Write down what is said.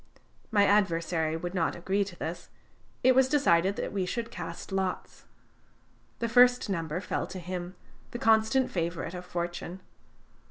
My adversary would not agree to this. It was decided that we should cast lots. The first number fell to him, the constant favorite of fortune.